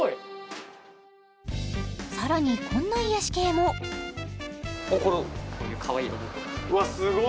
さらにこんな癒やし系もこれうわすごい！